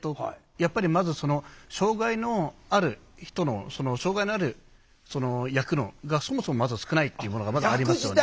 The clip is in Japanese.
やっぱりまず障害のある人の障害のある役がそもそもまずは少ないっていうものがまだありますよね。